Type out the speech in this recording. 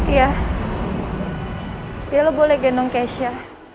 iya ya lo boleh gendong keisha